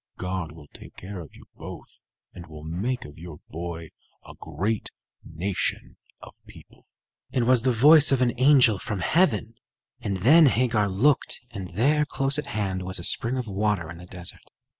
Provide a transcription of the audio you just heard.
God will take care of you both, and will make of your boy a great nation of people." It was the voice of an angel from heaven; and then Hagar looked, and there, close at hand, was a spring of water in the desert.